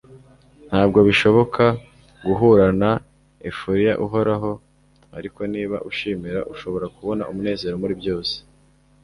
ntabwo bishoboka guhura na euphoria ihoraho, ariko niba ushimira, ushobora kubona umunezero muri byose